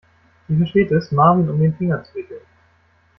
Sie versteht es, Marvin um den Finger zu wickeln.